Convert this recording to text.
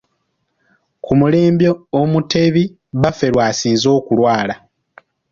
Ku mulembe Omutebi Bbaffe lw'asinze okulwala.